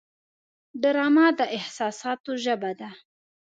ډرامه د احساساتو ژبه ده